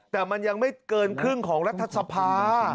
แต่มันยังไม่เกินครึ่งของรัฐสภา